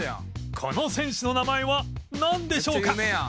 この選手の名前はなんでしょうか？